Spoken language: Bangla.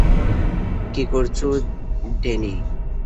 কী করছো, ড্যানি?